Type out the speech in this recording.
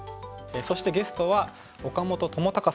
そしてゲストは岡本知高さんです。